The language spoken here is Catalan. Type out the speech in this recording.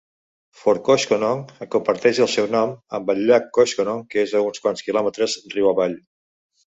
Fort Koshkonong comparteix el seu nom amb el llac Koshkonong, que és a uns quants quilòmetres riu avall.